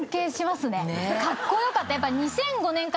カッコよかった。